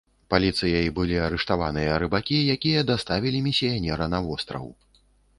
Паліцыяй былі арыштаваныя рыбакі, якія даставілі місіянера на востраў.